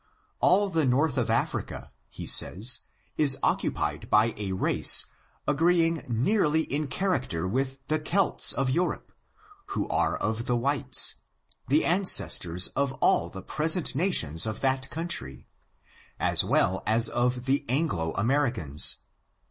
All the north of Africa, he says, is occupied by a race agreeing nearly in character with the Celts of Eu rope^ who are of the whites, the ancestors of all the present nations of that country, as well as of the An glo Americans.